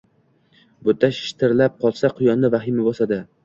Buta shitirlab qolsa quyonni vahima bosadi